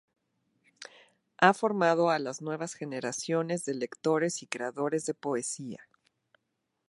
Ha formado a las nuevas generaciones de lectores y creadores de poesía.